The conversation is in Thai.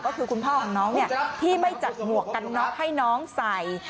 ก็คือคุณพ่อของน้องที่ไม่จัดหมวกกันน็อกให้น้องใส่